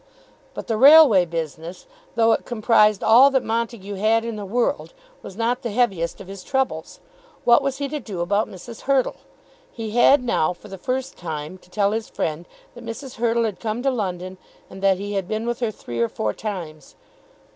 But the Railway business, though it comprised all that Montague had in the world, was not the heaviest of his troubles. What was he to do about Mrs. Hurtle? He had now, for the first time, to tell his friend that Mrs. Hurtle had come to London, and that he had been with her three or four times.